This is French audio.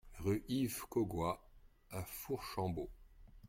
Rue Yves Cogoi à Fourchambault